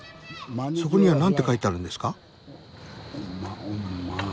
そこには何て書いてあるんですか？